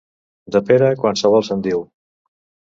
De Pere, qualsevol se'n diu.